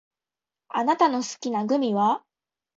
あなたの好きなグミは？